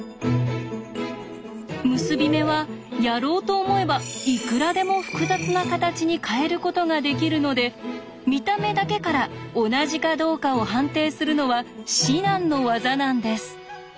結び目はやろうと思えばいくらでも複雑な形に変えることができるので見た目だけから同じかどうかを判定するのは至難の業なんです。